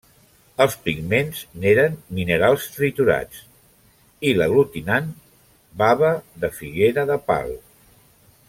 Els pigments n'eren minerals triturats i l'aglutinant bava de figuera de pal.